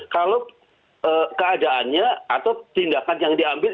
kalau keadaannya atau tindakan yang diambil